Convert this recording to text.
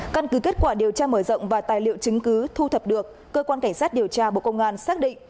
căn cứ kết quả điều tra mở rộng và tài liệu chứng cứ thu thập được cơ quan cảnh sát điều tra bộ công an xác định